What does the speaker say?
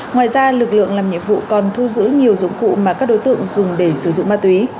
ngoài ra lực lượng làm nhiệm vụ còn thu giữ nhiều dụng cụ mà các đối tượng dùng để sử dụng ma túy